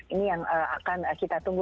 ini yang akan kita tunggu